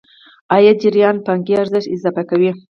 عايدي جريان پانګې ارزښت اضافه کوو.